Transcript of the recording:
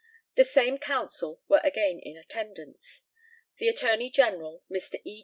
The same counsel were again in attendance: The Attorney General, Mr. E.